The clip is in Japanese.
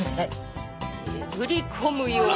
えぐり込むようにして。